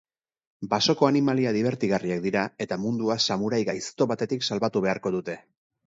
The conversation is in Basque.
Basoko animalia dibertigarriak dira eta mundua samurai gaizto batetik salbatu beharko dute.